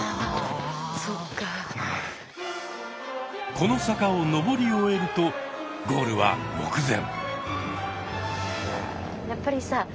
この坂を上り終えるとゴールは目前。